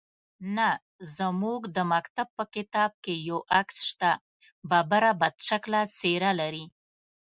_نه، زموږ د مکتب په کتاب کې يې عکس شته. ببره، بدشکله څېره لري.